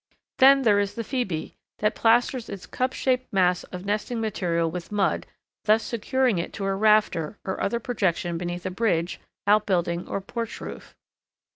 Then there is the Phoebe, that plasters its cup shaped mass of nesting material with mud, thus securing it to a rafter or other projection beneath a bridge, outbuilding, or porch roof.